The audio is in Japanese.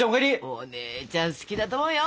お姉ちゃん好きだと思うよ。